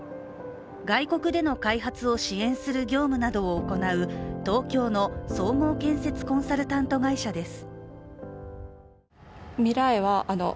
外国での開発を支援する業務などを行う東京の総合建設コンサルタント会社です。